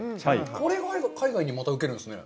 これが海外に受けるんですね。